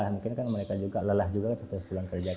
mungkin mereka lelah juga terus pulang kerja